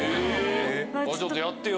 ちょっとやってよ。